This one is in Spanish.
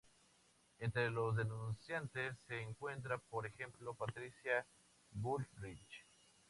Entre los denunciantes, se encuentran por ejemplo Patricia Bullrich.